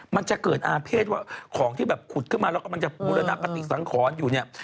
มันจะเกิดอาเภษว่าของที่แบบขุดขึ้นมาแล้วกำลังจะบูรณปฏิสังขรอยู่เนี่ย